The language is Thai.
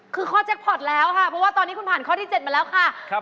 คือข้อแจ็คพอร์ตแล้วค่ะเพราะว่าตอนนี้คุณผ่านข้อที่๗มาแล้วค่ะ